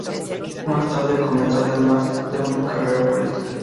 Más tarde comenzó además una carrera política.